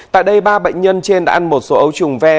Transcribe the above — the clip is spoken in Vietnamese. tại đây ba bệnh nhân trên đã ăn một số ấu trùng ve